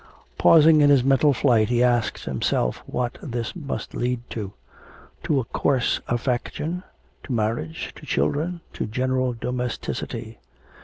Pausing in his mental flight he asked himself what this must lead to? To a coarse affection, to marriage, to children, to general domesticity.